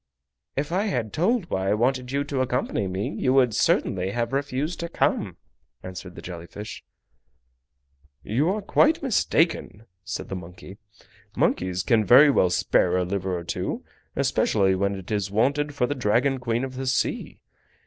"If I had told why I wanted you to accompany me you would certainly have refused to come," answered the jelly fish. "You are quite mistaken," said the monkey. "Monkeys can very well spare a liver or two, especially when it is wanted for the Dragon Queen of the Sea.